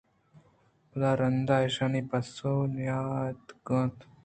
پدا رند ءَ ایشیءِ پسو نیاتکگ اَت